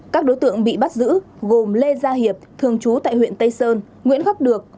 các đối tượng bị bắt giữ gồm lê gia hiệp thường trú tại huyện tây sơn nguyễn khắc được